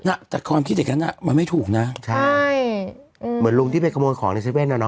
น่ะแต่ความคิดอย่างนั้นอ่ะมันไม่ถูกนะใช่อืมเหมือนลุงที่ไปขโมยของในเซเว่นอ่ะเน